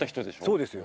そうですよ。